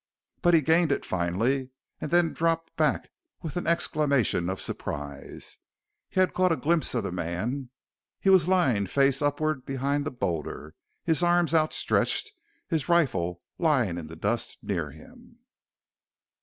But he gained it finally and then dropped back with an exclamation of surprise. He had caught a glimpse of the man. He was lying face upward behind the boulder, his arms outstretched, his rifle lying in the dust near him.